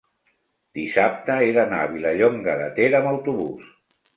dissabte he d'anar a Vilallonga de Ter amb autobús.